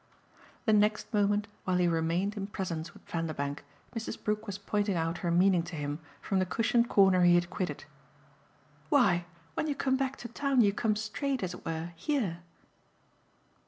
The next moment, while he remained in presence with Vanderbank, Mrs. Brook was pointing out her meaning to him from the cushioned corner he had quitted. "Why, when you come back to town you come straight, as it were, here."